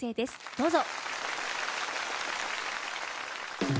どうぞ。